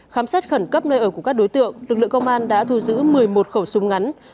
khám xét khẩn cấp nơi ở của các đối tượng lực lượng công an đã thu giữ một mươi một khẩu súng ngắn